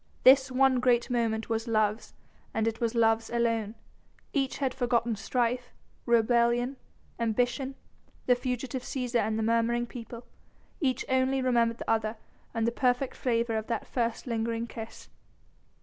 This one great moment was love's, and it was love's alone. Each had forgotten strife, rebellion, ambition, the fugitive Cæsar and the murmuring people. Each only remembered the other and the perfect flavour of that first lingering kiss.